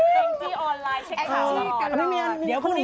แกเพิ่งกลับมาเมื่อวันเมื่อกี้แล้ว